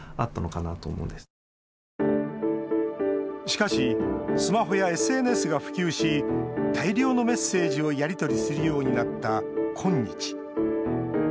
しかしスマホやＳＮＳが普及し大量のメッセージをやり取りするようになった今日。